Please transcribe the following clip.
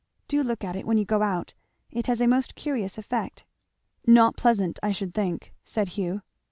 Do look at it when you go out! It has a most curious effect." "Not pleasant, I should think," said Hugh.